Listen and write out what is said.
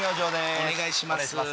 お願いします。